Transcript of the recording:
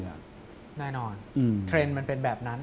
แน่นอนเทรนด์มันเป็นแบบนั้น